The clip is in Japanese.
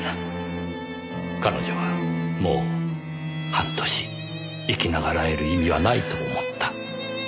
彼女はもう半年生き永らえる意味はないと思った。